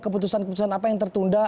keputusan keputusan apa yang tertunda